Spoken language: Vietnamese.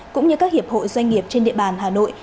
cũng như các hiệp hội doanh nghiệp trên địa bàn hà nội